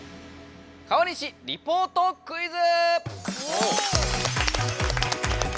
「川西リポートクイズ！」。